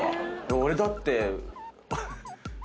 俺だって。